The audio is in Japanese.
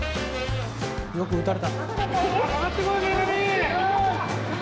よく打たれた。